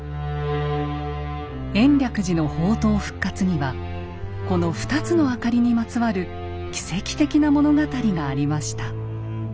延暦寺の法灯復活にはこの２つの灯りにまつわる奇跡的な物語がありました。